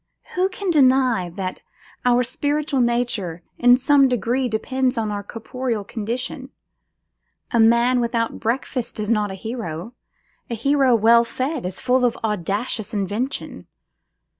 Who can deny that our spiritual nature in some degree depends upon our corporeal condition? A man without breakfast is not a hero; a hero well fed is full of audacious invention.